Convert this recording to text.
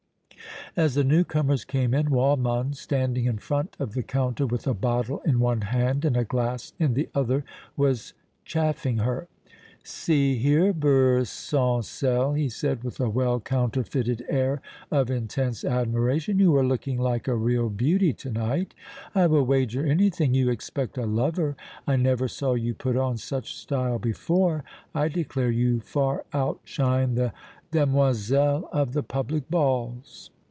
As the new comers came in, Waldmann, standing in front of the counter with a bottle in one hand and a glass in the other, was chaffing her. "See here, Beurre Sans Sel," he said, with a well counterfeited air of intense admiration, "you are looking like a real beauty to night. I will wager anything you expect a lover. I never saw you put on such style before. I declare you far outshine the demoiselles of the public balls!"